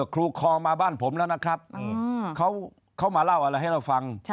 คลองมาบ้านผมแล้วนะครับเขามาเล่าอะไรให้เราฟัง